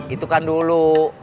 itu kan dulu